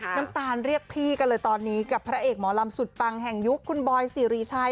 น้ำตาลเรียกพี่กันเลยตอนนี้กับพระเอกหมอลำสุดปังแห่งยุคคุณบอยสิริชัย